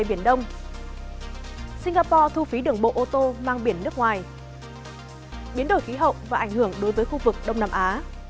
biến đổi khí hậu và ảnh hưởng đối với khu vực đông nam á